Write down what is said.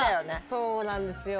そうなんですよ